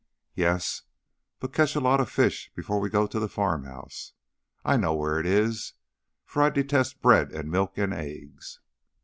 "Yes, but catch a lot of fish before we go to the farmhouse I know where it is for I detest bread and milk and eggs."